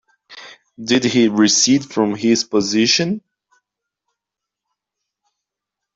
Did he recede from his position?